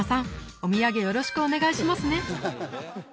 お土産よろしくお願いしますね